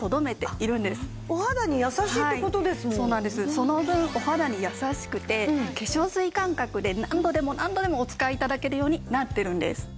その分お肌に優しくて化粧水感覚で何度でも何度でもお使い頂けるようになっているんです。